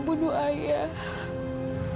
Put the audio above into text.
emotif main terakhir